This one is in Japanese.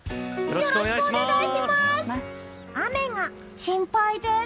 よろしくお願いします！